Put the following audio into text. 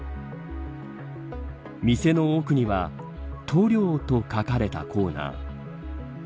店の奥には塗料と書かれたコーナー。